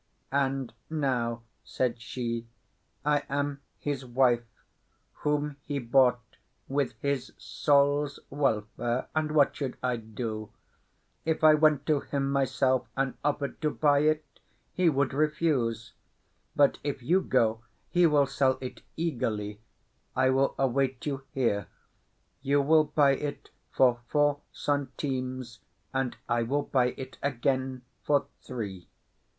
"And now," said she, "I am his wife, whom he bought with his soul's welfare. And what should I do? If I went to him myself and offered to buy it, he would refuse. But if you go, he will sell it eagerly; I will await you here; you will buy it for four centimes, and I will buy it again for three.